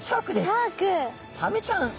サメちゃん。